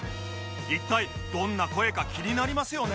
一体どんな声か気になりますよね